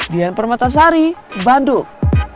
dian permatasari bandung